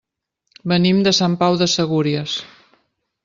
Venim de Sant Pau de Segúries.